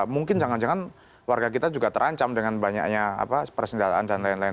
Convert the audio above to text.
mungkin jangan jangan warga kita juga terancam dengan banyaknya persenjataan dan lain lain